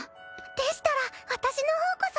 でしたら私の方こそ。